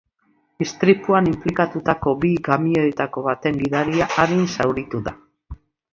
Istripuan inplikatutako bi kamioietako baten gidaria arin zauritu da.